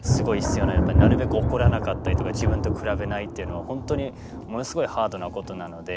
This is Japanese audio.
やっぱなるべく怒らなかったりとか自分と比べないっていうのは本当にものすごいハードなことなので。